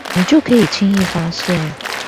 你就可以輕易發現